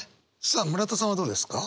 さあ村田さんはどうですか？